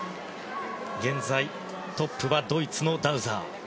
現在、トップはドイツのダウザー。